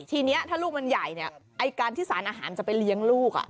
ทีนี้ถ้าลูกมันใหญ่เนี่ยไอ้การที่สารอาหารจะไปเลี้ยงลูก